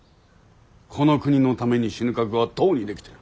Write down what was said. この国のために死ぬ覚悟はとうにできている。